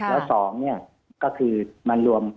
แล้วสองเนี่ยก็คือมันรวม